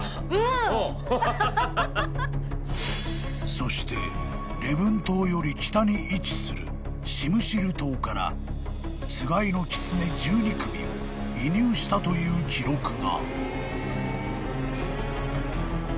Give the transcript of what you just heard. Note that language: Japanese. ［そして礼文島より北に位置するシムシル島からつがいのキツネ１２組を移入したという記録が］